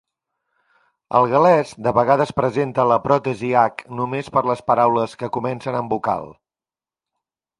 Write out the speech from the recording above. El gal·lès de vegades presenta la "pròtesi-h" només per les paraules que comencen amb vocal.